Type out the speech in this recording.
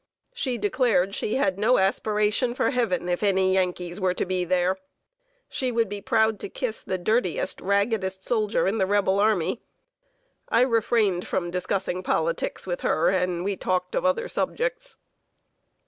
She declared she had no aspiration for heaven, if any Yankees were to be there. She would be proud to kiss the dirtiest, raggedest soldier in the Rebel army. I refrained from discussing politics with her, and we talked of other subjects.